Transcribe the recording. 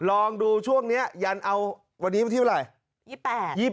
ลองดูช่วงนี้ยันเอาวันนี้วันที่เท่าไหร่